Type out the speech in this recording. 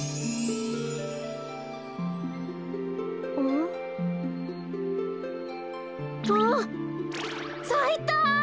ん？あっ！さいた。